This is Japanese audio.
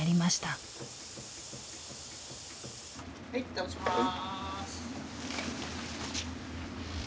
はい倒します。